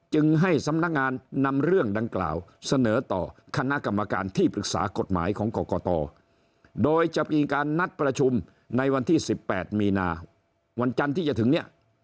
จึงให้สำนักงานนำเรื่องดังกล่าวเสนอต่อคณะกรรมการที่ปรึกษากฎหมายของกรกตโดยจะมีการนัดประชุมในวันที่๑๘มีนาวันจันทร์ที่จะถึงเนี่ย